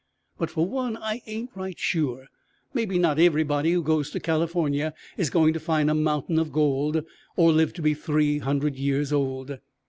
But for one, I ain't right sure. Maybe not everybody who goes to California is going to find a mountain of gold, or live to be three hundred years old!